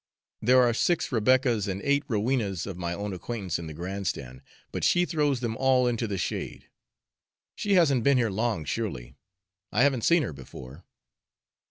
There are six Rebeccas and eight Rowenas of my own acquaintance in the grand stand, but she throws them all into the shade. She hasn't been here long, surely; I haven't seen her before."